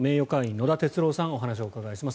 野田徹郎さんにお話をお伺いします。